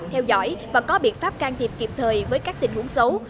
theo dõi và có biện pháp can thiệp kịp thời với các tình huống xấu